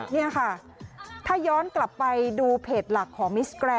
นี่ค่ะถ้าย้อนกลับไปดูเพจหลักของ